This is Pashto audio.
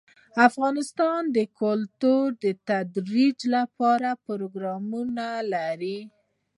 افغانستان د کلیو د ترویج لپاره پروګرامونه لري.